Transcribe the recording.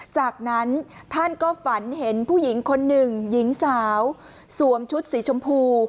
จากนั้นท่านก็ฝันเห็นผู้หญิงคนหนึ่งหญิงสาวสวมชุดสีชมพู